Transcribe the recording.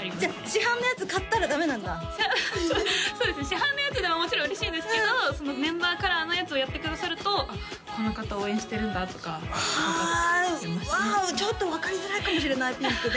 市販のやつでももちろん嬉しいんですけどメンバーカラーのやつをやってくださるとこの方を応援してるんだとか分かってわおちょっと分かりづらいかもしれないピンクね